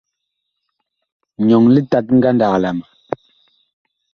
Nyɔŋ litat ngandag la ma.